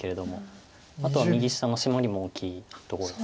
あとは右下のシマリも大きいところです。